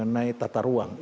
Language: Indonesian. itu saya kira harus dijaga